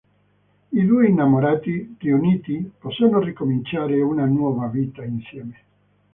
I due innamorati, riuniti, possono ricominciare una nuova vita insieme.